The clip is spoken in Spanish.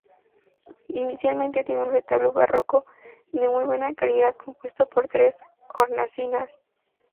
Inicialmente tenía un retablo barroco de muy buena calidad, compuesto por tres hornacinas.